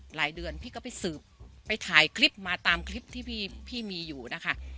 หลายเดือนพี่ก็ไปสืบไปถ่ายคลิปมาตามคลิปที่พี่มีอยู่นะคะ